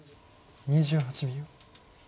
２８秒。